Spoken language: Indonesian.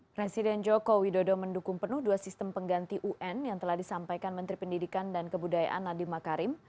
presiden joko widodo mendukung penuh dua sistem pengganti un yang telah disampaikan menteri pendidikan dan kebudayaan nadiem makarim